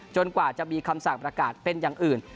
กว่าจะมีคำสั่งประกาศเป็นอย่างอื่น